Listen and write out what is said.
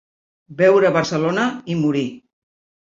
Veure Barcelona i morir.